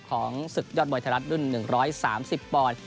ศึกยอดมวยไทยรัฐรุ่น๑๓๐ปอนด์